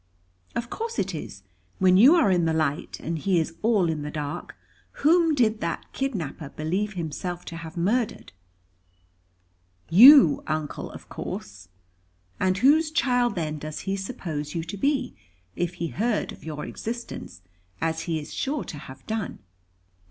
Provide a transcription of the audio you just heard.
"Of course it is; when you are in the light, and he is all in the dark. Whom did that kidnapper believe himself to have murdered?" "You, Uncle, of course." "And whose child then does he suppose you to be; if he heard of your existence, as he is sure to have done?"